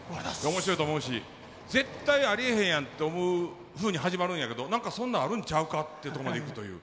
面白いと思うし絶対ありえへんやんって思うふうに始まるんやけど何かそんなんあるんちゃうかっていうとこまでいくという。